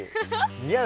似合う！